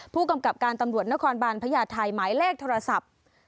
ผู้กำกับการตำรวจนครบานพญาไทยหมายเลขโทรศัพท์